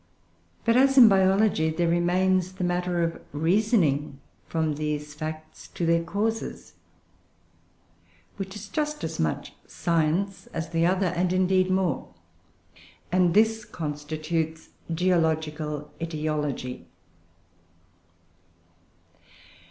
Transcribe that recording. But, as in biology, there remains the matter of reasoning from these facts to their causes, which is just as much science as the other, and indeed more; and this constitutes geological aetiology.